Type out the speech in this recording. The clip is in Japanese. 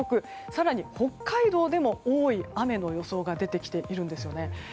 更に北海道でも多い雨の予想が出てきているんですね。